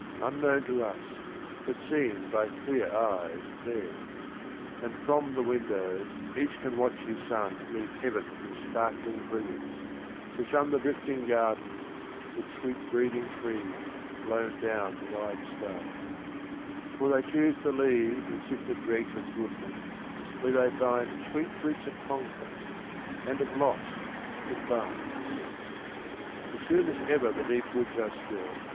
Unknown to us, but seen by clear eyes there ; And from the windows each can watch his son Leave Heavens of sparkling brilliance, to shun The drifting gardens with sweet breathing trees Blown down the wide sky ; for they choose the lees And sifted dregs of goodness where they find Sweet fruits of conquest, and of loss, combined. As soon as ever the deep woods are still.